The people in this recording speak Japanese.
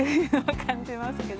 感じますけど。